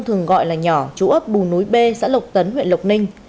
thường gọi là nhỏ chú ấp bù núi b xã lộc tấn huyện lộc ninh